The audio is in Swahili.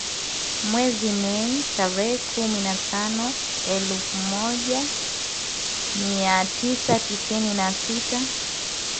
Mwezi Mei, tarehe kumi na tano ,elfu moja mia tisa tisini na sita